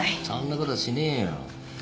そんなことしねえよ。